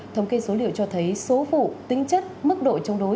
thống kê số liệu cho thấy số phụ tính chất mức đội chống đối